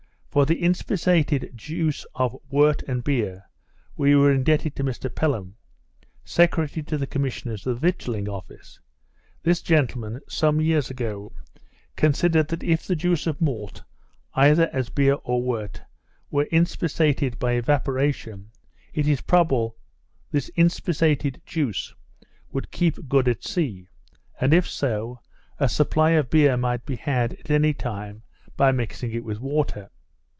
For the inspissated juice of wort and beer we were indebted to Mr Pelham, secretary to the commissioners of the victualling office. This gentleman, some years ago, considered that if the juice of malt, either as beer or wort, was inspissated by evaporation, it was probable this inspissated juice would keep good at sea; and, if so, a supply of beer might be had, at any time, by mixing it with water.